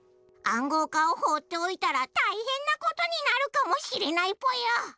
暗号化をほうっておいたら大変なことになるかもしれないぽよ！